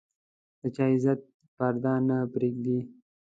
د چا د عزت پرده نه بدلېږي.